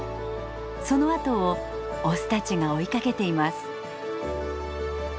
そのあとをオスたちが追いかけています。